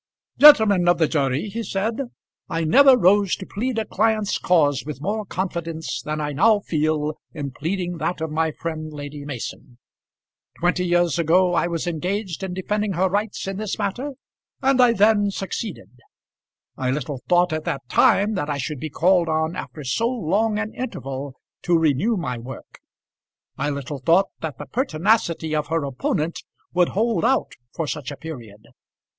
"Gentlemen of the jury," he said, "I never rose to plead a client's cause with more confidence than I now feel in pleading that of my friend Lady Mason. Twenty years ago I was engaged in defending her rights in this matter, and I then succeeded. I little thought at that time that I should be called on after so long an interval to renew my work. I little thought that the pertinacity of her opponent would hold out for such a period.